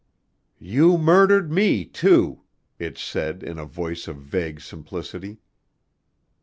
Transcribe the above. "You murdered me, too!" it said in a voice of vague simplicity.